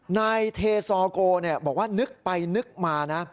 นายเทซอโกบอกว่านึกไปนึกมานะ